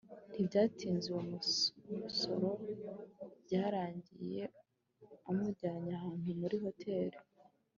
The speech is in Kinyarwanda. ntibyatinze uwo musore byarangiye amujyanye ahantu muri hotel